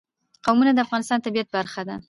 قومونه د افغانستان د طبیعت برخه ده.